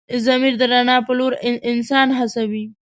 ضمیر د رڼا په لور انسان هڅوي.